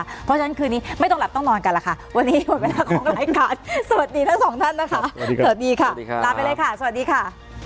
เพราะฉะนั้นคืนนี้ไม่ต้องหลับต้องนอนกันล่ะค่ะ